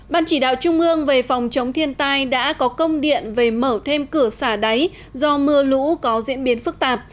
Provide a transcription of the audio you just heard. ban chỉ đạo trung ương về phòng chống thiên tai đã có công điện về mở thêm cửa xả đáy do mưa lũ có diễn biến phức tạp